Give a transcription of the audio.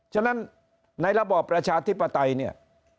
ฉะนั้นในระบอบประชาธิปไตยเนี่ย